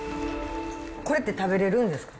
これって食べれるんですか？